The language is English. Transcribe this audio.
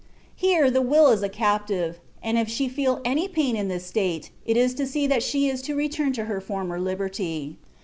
Here the will is a captive, and if she feel any pain in this state, it is to see that she is to return to her former liberty.